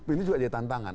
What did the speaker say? ini juga jadi tantangan